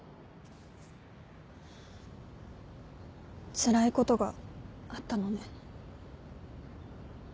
つらいことがあったのね